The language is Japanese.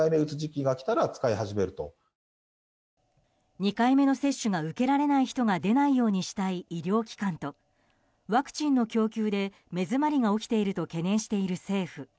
２回目の接種が受けられない人が出ないようにしたい医療機関とワクチンの供給で目詰まりが起きていると懸念している政府。